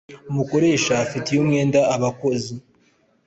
Umukoresha afitiye umwenda abakozi.